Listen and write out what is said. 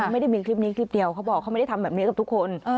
ไม่ได้มีคลิปนี้คลิปเดียวเขาบอกเขาไม่ได้ทำแบบนี้กับทุกคน